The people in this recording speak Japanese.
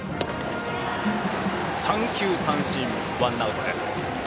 三球三振でワンアウト。